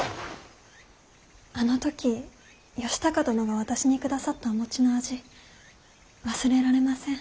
あの時義高殿が私に下さったお餅の味忘れられません。